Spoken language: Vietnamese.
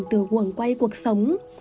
từ quảng quay cuộc sống